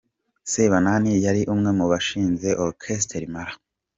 Sebanani yari umwe mu bashinze Orchestre Impala.